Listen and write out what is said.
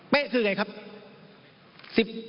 เป๊ะคืออย่างไรครับ